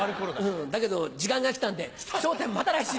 うんだけど時間が来たんで『笑点』また来週。